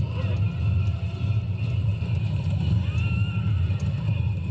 สวัสดีครับทุกคน